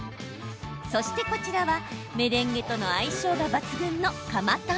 そして、こちらはメレンゲとの相性が抜群の釜玉。